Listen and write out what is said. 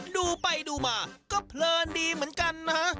ดูไปดูมาก็เพลินดีเหมือนกันนะ